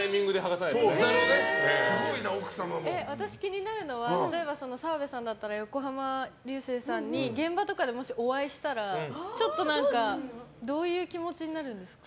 私、気になるのは澤部さんだったら横浜流星さんに現場とかでもしお会いしたらどういう気持ちになるんですか？